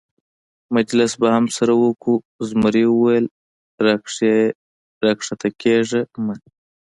مجلس به هم سره وکړو، زمري وویل: را کښته کېږه مه.